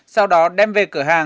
sau đó đem về cửa hàng